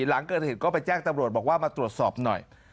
หลังเกิดเหตุก็ไปแจ้งตำรวจบอกว่ามาตรวจสอบหน่อย